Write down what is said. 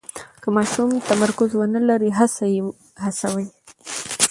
که ماشوم تمرکز ونلري، هڅه وکړئ یې هڅوئ.